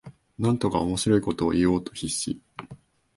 なんとか面白いことを言おうと必死